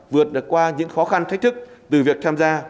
vượt được qua những khó khăn thách thức từ việc tham gia